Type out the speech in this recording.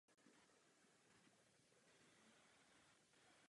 Struktura těchto komplexů je lineární.